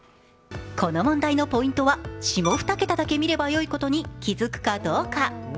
この問題のポイントは下２桁だけ見ればよいことに気づくかどうか。